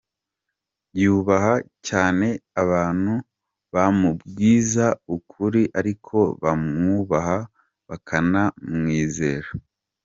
Yubaha cyane abantu bamubwiza ukuri ariko bamwubaha bakanamwizera.